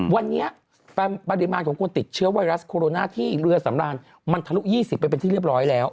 วันนี้ปริมาณของคนติดเชื้อไวรัสโคโรนาที่เรือสำรานมันทะลุ๒๐ไปเป็นที่เรียบร้อยแล้ว